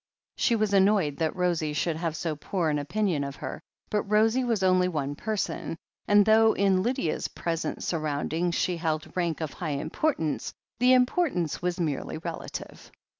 She was annoyed that Rosie should have so poor an opinion of her, but Rosie was only one person; and though in Lydia's present surroundings she held rank of high importance, the importance was merely relative.